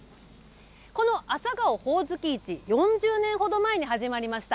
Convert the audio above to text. この朝顔・ほおずき市、４０年ほど前に始まりました。